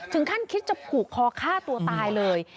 ถึงขั้นคิดจะปลูกคอฆ่าตัวตายเลย